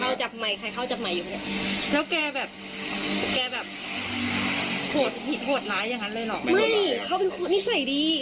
หลังจากการมีโรคซึมเศร้าค่ะก็จะต้องการถูกออกจากนั้นหรือแบบนี้